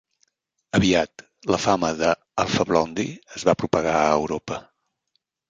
Aviat, la fama d'Alpha Blondy es va propagar a Europa.